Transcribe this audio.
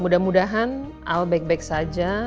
mudah mudahan al back back saja